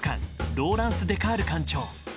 ローランス・デ・カール館長。